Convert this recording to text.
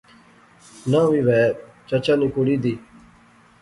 با وی وہے چچا نی کڑی دی